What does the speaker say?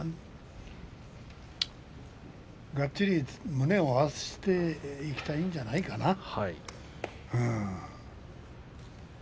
がっちり胸を合わしていきたいんじゃないかな。